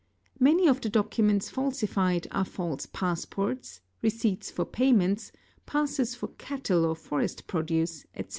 Many of the documents falsified are false passports, receipts for payments, passes for cattle or forest produce, etc.